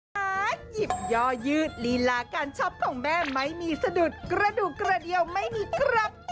หากหยิบย่อยืดลีลาการช็อปของแม่ไม่มีสะดุดกระดูกกระเดียวไม่มีครับ